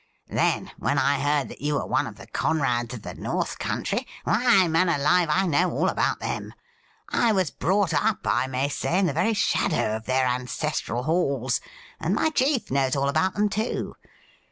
Then, when I heard that you were one of the Conrads of the North Country — why, man alive, I know all about them ! I was brought up, I may say, in the very shadow of their ancestral halls, and my chief knows all about them too.